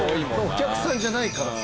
お客さんじゃないからさ。